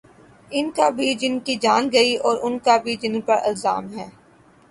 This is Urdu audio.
ان کا بھی جن کی جان گئی اوران کا بھی جن پر الزام ہے۔